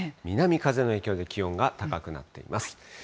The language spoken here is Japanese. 南風の影響で気温が高くなっています。